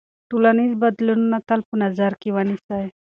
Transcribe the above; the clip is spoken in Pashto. ټولنیز بدلونونه تل په نظر کې ونیسئ.